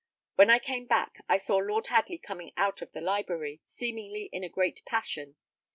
When I came back, I saw Lord Hadley coming out of the library, Seemingly in a great passion.